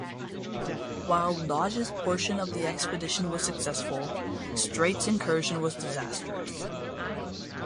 While Dodge's portion of the expedition was successful, Streight's incursion was disastrous.